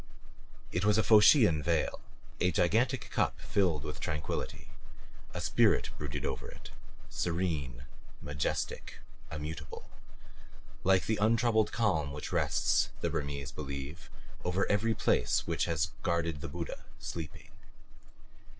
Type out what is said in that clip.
It was a Phocean vale; a gigantic cup filled with tranquillity. A spirit brooded over it, serene, majestic, immutable like the untroubled calm which rests, the Burmese believe, over every place which has guarded the Buddha, sleeping.